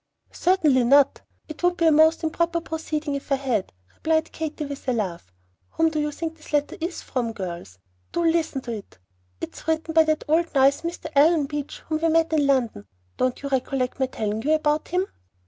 "Certainly not. It would be a most improper proceeding if I had," replied Katy, with a laugh. "Whom do you think this letter is from, girls? Do listen to it. It's written by that nice old Mr. Allen Beach, whom we met in London. Don't you recollect my telling you about him?"